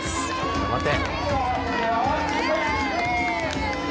頑張って。